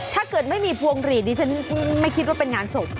ถ้าเกิดไม่มีพวงหลีดดิฉันไม่คิดว่าเป็นงานศพ